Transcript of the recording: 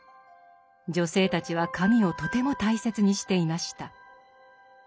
女性たちは髪をとても大切にしていました。